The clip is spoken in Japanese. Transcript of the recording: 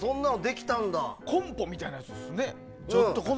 コンポみたいなやつですよね。